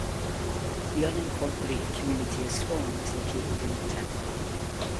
The unincorporated community of Swan is located in the town.